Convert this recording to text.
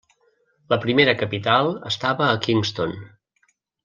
La primera capital estava a Kingston.